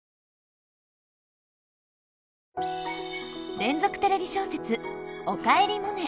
連続テレビ小説「おかえりモネ」。